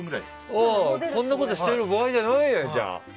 こんなことしてる場合じゃないじゃん。